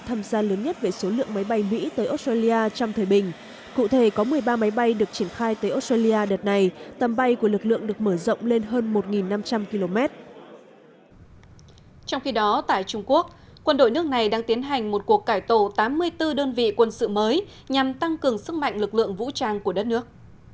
nhằm tăng cường sức mạnh lực lượng vũ trang của đất nước